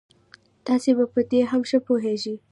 تاسې به پر دې هم ښه پوه شئ.